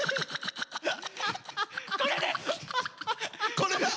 これです！